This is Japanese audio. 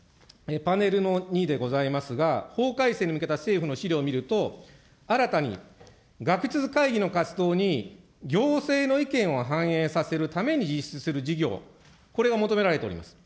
パネルの２でございますが、法改正に向けた政府の資料を見ると、新たに学術会議の活動に、行政の意見を反映させるために実施する事業、これが求められております。